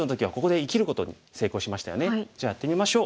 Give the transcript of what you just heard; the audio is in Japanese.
じゃあやってみましょう。